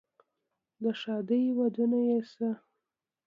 د ښادۍ ودونه یې شه،